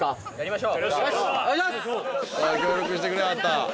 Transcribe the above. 「協力してくれはった」